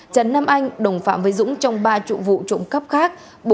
trần nam anh đồng phạm với dũng trong ba trụ vụ trộm cắp khác